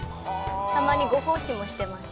たまにご奉仕もしています。